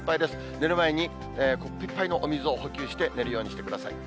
寝る前にコップ１杯のお水を補給して寝るようにしてください。